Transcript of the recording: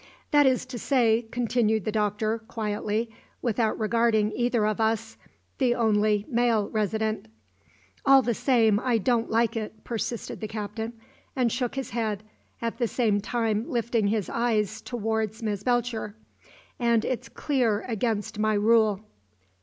"That is to say," continued the Doctor, quietly, without regarding either of us, "the only male resident." "All the same I don't like it," persisted the Captain, and shook his head, at the same time lifting his eyes towards Miss Belcher; "and it's clear against my rule."